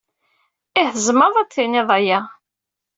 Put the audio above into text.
Ih, tzemreḍ ad d-tiniḍ aya.